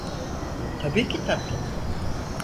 Tabii ki tatlım.